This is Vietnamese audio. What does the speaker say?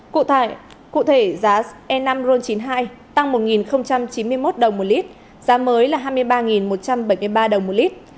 cụ thể giá e năm ron chín mươi hai tăng một chín mươi một đồng một lit giá mới là hai mươi ba một trăm bảy mươi ba đồng một lit